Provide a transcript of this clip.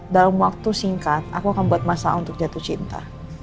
dalam waktu singkat aku akan buat masa untuk jatuh cinta